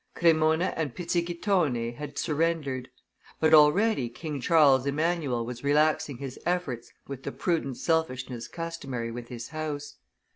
Cremona and Pizzighitone had surrendered; but already King Charles Emmanuel was relaxing his efforts with the prudent selfishness customary with his house.